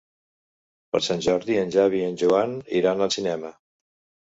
Per Sant Jordi en Xavi i en Joan iran al cinema.